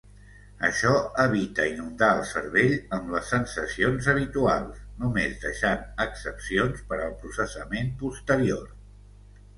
Això evita inundar el cervell amb les sensacions habituals, només deixant excepcions per al processament posterior.